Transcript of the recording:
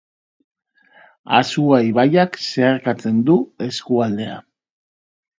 Asua ibaiak zeharkatzen du eskualdea.